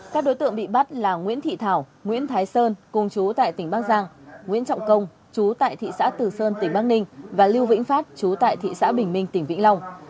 các đối tượng bị bắt là nguyễn thị thảo nguyễn thái sơn cung chú tại tỉnh bắc giang nguyễn trọng công chú tại thị xã từ sơn tỉnh bắc ninh và lưu vĩnh phát chú tại thị xã bình minh tỉnh vĩnh long